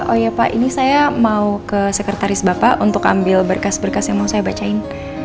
oh iya pak ini saya mau ke sekretaris bapak untuk ambil berkas berkas yang mau saya bacain